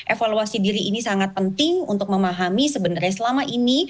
evaluasi diri ini sangat penting untuk memahami sebenarnya selama ini